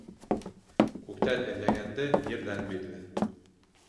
Күктән эҙләгәнде ерҙән бирҙе.